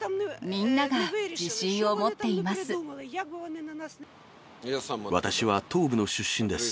みんなが自信を持っています。